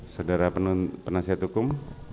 saudara penasihat hukum